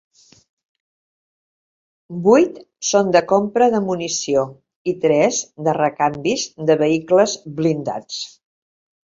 Vuit són de compra de munició i tres de recanvis de vehicles blindats.